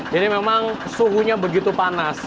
jadi memang suhunya begitu panas